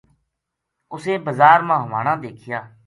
اُسیں بزار ما ہوانا دیکھیا